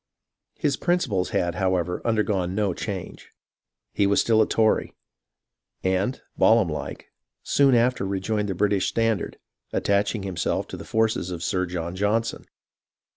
His principles had, however, undergone no change ; he was still a Tory, and, Balaam like, soon after rejoined the British standard, attaching himself to the forces of Sir John Johnson.